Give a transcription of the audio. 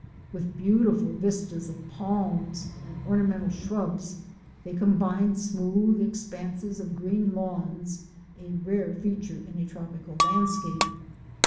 With beautiful vistas of palms and ornamental shrubs they com bine smooth expanses of green lawns — a rare feature in a tropical landscape.